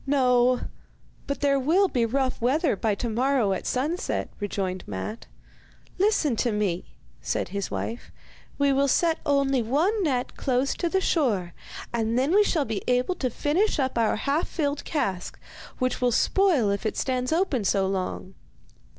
'No; but there will be rough weather by to morrow at sunset,' rejoined Matte. 'Listen to me,' said his wife, 'we will set only one net close to the shore, and then we shall be able to finish up our half filled cask, which will spoil if it stands open so long.